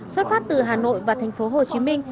xuất phát từ hà nội và thành phố hồ chí minh